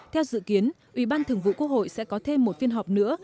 theo dự kiến ủy ban thường vụ quốc hội sẽ có thêm một phiên họp nữa